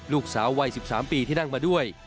ลูกสาววัย๑๓ปีที่นั่งมาด้วย